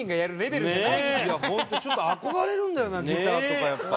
いや本当ちょっと憧れるんだよなギターとかやっぱ。